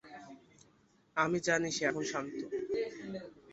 আমি জানি সে এখন শান্ত।